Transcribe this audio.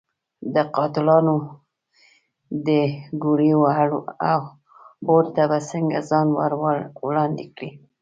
د قاتلانو د ګولیو اور ته به څنګه ځان ور وړاندې کړي.